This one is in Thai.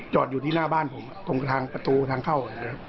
อยู่ที่หน้าบ้านผมตรงทางประตูทางเข้า